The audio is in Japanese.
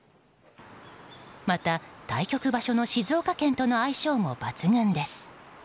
また、対局場所の静岡県との相性も抜群です。